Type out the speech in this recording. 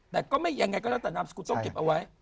แต่ก็ไม่ยังไงก็แล้วแต่นามสกุลต้องเก็บเอาไว้